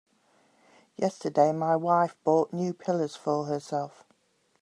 Yesterday my wife bought new pillows for herself.